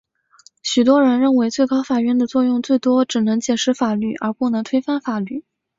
许多人认为最高法院的作用最多只能解释法律而不能推翻法律。